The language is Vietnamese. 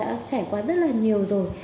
chúng ta đã trải qua rất là nhiều rồi